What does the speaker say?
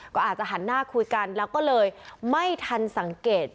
ก็อาจจะหันหน้าคุยกันแล้วก็เลยไม่ทันสังเกต